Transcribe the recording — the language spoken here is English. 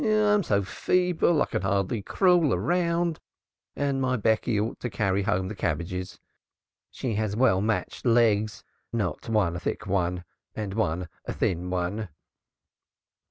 I am so feeble, I can hardly crawl around, and my Becky ought to carry home the cabbages. She has well matched legs, not one a thick one and one a thin one."'